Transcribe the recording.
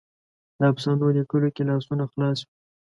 د افسانو لیکلو کې لاسونه خلاص وي.